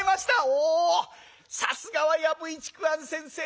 「おさすがは藪井竹庵先生！